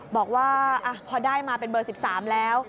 บอกว่าพอได้มาเป็นเบอร์๑๓แล้ว